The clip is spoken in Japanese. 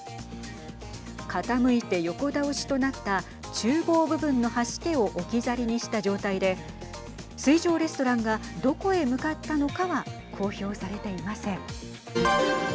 傾いて横倒しとなったちゅう房部分のはしけを置き去りにした状態で水上レストランがどこへ向かったのかは公表されていません。